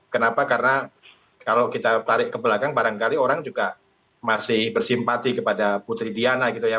kenapa karena kalau kita tarik ke belakang barangkali orang juga masih bersimpati kepada putri diana gitu ya